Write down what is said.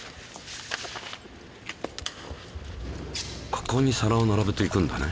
ここに皿を並べていくんだね。